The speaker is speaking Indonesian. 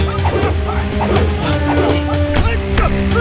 nah sekarangless kamu